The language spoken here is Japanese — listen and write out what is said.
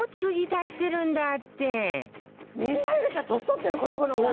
みんなよりか、年取ってるこの子の方が。